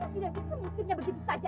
tidak bisa mikirnya begitu saja